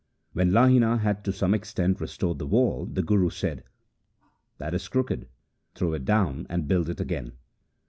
When Lahina had to some extent restored the wall, the Guru said, ' That is crooked, throw it down, and build it up again.'